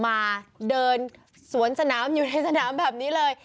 มาเดินสวนสนามอยู่ในสนามแบบนี้เลย